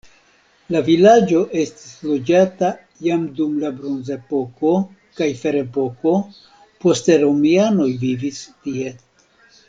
La vilaĝo estis loĝata jam dum la bronzepoko kaj ferepoko poste romianoj vivis tie.